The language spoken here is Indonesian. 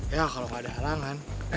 ya kalau gak ada alangan